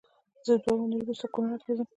زه دوې اونۍ روسته کونړ ته ځم